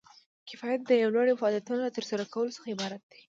کفایت د یو لړ فعالیتونو له ترسره کولو څخه عبارت دی.